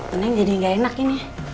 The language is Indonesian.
neneng jadi gak enak ini